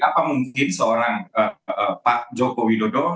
apa mungkin seorang pak jokowi dodo